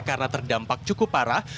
karena terdampak cukup parah